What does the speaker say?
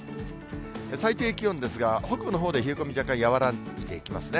最低気温ですが、北部のほうで冷え込み、若干和らいでいきますね。